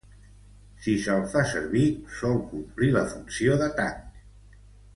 Si se'l fa servir, sol complir la funció de tanc.